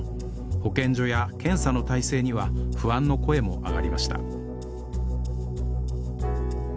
保健所や検査の体制には不安の声も上がりました